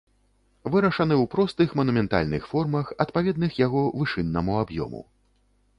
Вырашаны ў простых манументальных формах, адпаведных яго вышыннаму аб'ёму.